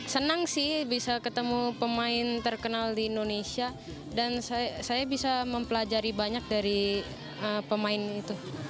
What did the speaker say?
senang sih bisa ketemu pemain terkenal di indonesia dan saya bisa mempelajari banyak dari pemain itu